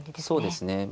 そうですね。